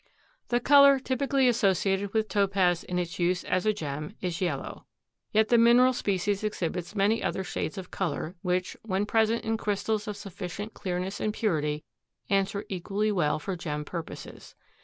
The color typically associated with Topaz in its use as a gem is yellow. Yet the mineral species exhibits many other shades of color, which, when present in crystals of sufficient clearness and purity, answer equally well for gem purposes.